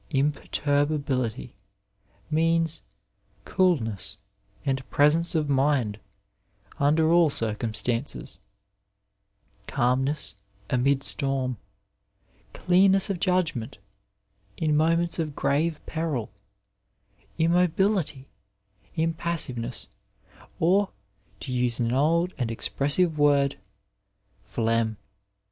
Imperturbability means coolness and presence of mind under all circumstances, calmness amid storm, clearness of judgment in moments of grave peril, immobility, impassiveness, or, to use an old and expressive word, phlegm.